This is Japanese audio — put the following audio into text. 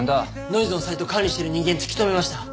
ノイズのサイト管理してる人間突き止めました！